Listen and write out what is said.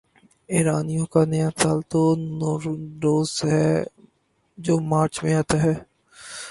ایرانیوں کا نیا سال تو نوروز ہے جو مارچ میں آتا ہے۔